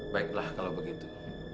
baiklah kalau begitu